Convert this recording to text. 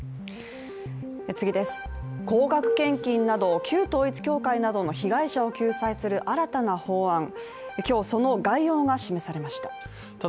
高額献金など旧統一教会などの被害者を救済する新たな法案、今日、その概要が示されました。